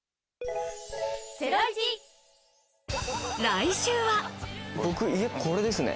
来週は。